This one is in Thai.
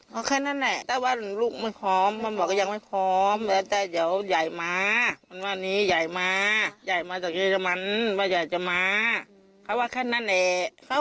เพราะแฟนเขานี่คือใคร